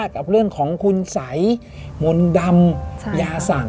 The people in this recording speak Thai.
กับเรื่องของคุณสัยมนต์ดำยาสั่ง